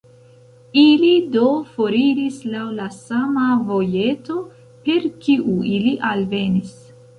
Ili do foriris laŭ la sama vojeto, per kiu ili alvenis.